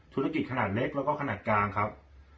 ธุรกิจขนาดเล็กแล้วก็ขนาดกลางครับ